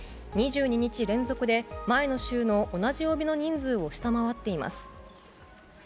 ２２日連続で前の週の同じ曜日の人数を下回っています。